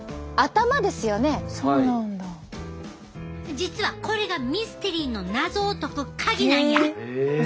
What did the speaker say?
実はこれがミステリーの謎を解く鍵なんや。